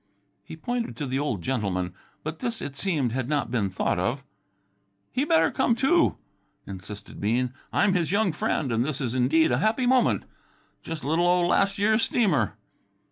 He pointed to the old gentleman, but this it seemed had not been thought of. "He better come too," insisted Bean. "I'm his young friend, and this is indeed a happy moment. Jus' little ol' las' year's steamer."